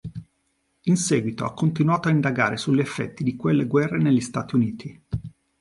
In seguito ha continuato a indagare sugli effetti di quelle guerre negli Stati Uniti.